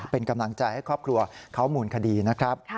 เป็นกำลังใจให้ครอบครัวเขามูลคดีนะครับ